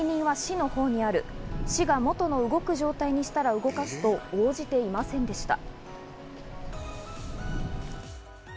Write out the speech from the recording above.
市が元の動く状態にしたら動かすと応じていませんでした。